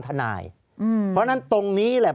ภารกิจสรรค์ภารกิจสรรค์